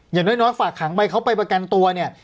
อย่างน้อยฝากขังไปเขาไปประกันตัวเนี่ย